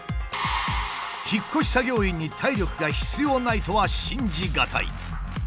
引っ越し作業員に体力が必要ないとは信じ難い。